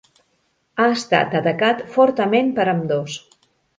Ha estat atacat fortament per ambdós.